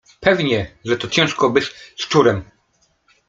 Pewnie, że to ciężko być szczurem!